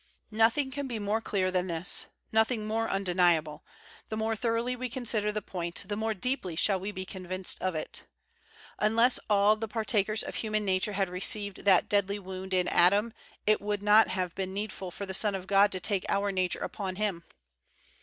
Nothing can be more clear than this: nothing more undeniable: the more thor oughly we consider the point, the more deeply shall we be convinced of it. Unless all the par lakers of human nature had received that dead 174 WESLEY ly wound in Adam it would not have been need ful for the Son of God to take our nature upon Him.